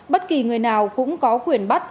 bất kỳ người nào cũng có quyền bắt